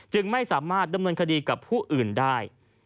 ไม่สามารถดำเนินคดีกับผู้อื่นได้